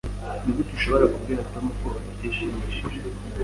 Nigute ushobora kubwira Tom ko atishimishije?